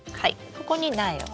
ここに苗を。